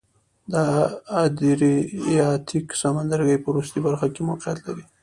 د ادریاتیک سمندرګي په وروستۍ برخه کې موقعیت لري.